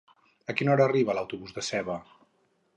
A quina hora arriba l'autobús de Seva?